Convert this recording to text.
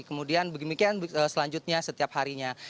kemudian begitu selanjutnya setiap harinya